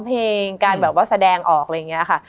มันทำให้ชีวิตผู้มันไปไม่รอด